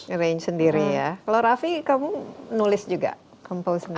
arrange sendiri ya kalau raffi kamu nulis juga compool sendiri